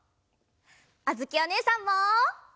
あづきおねえさんも！